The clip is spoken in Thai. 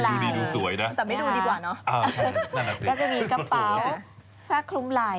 ดูดีดูสวยนะแต่ไม่ดูดีกว่าเนอะก็จะมีกระเป๋าเสื้อคลุมไหล่